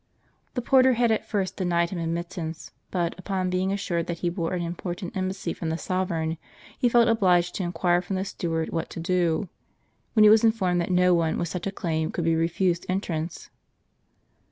The porter had at first denied him admittance ; but upon being assured that he bore an important embassy from the sovereign, he felt obliged to inquire from the steward what to do ; when he was informed that no one with such a claim could be refused entrance.